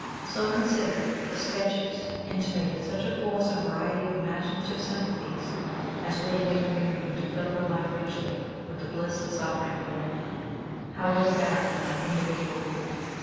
So considered, the sketches intimated such a force and variety of imaginative sympathies as would enable Miriam to fill her life richly with the bliss and suffering of womanhood, however barren it might individually be.